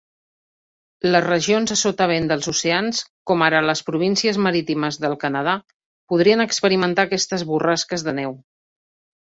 Les regions a sotavent dels oceans, com ara les Províncies Marítimes del Canadà, podrien experimentar aquestes borrasques de neu.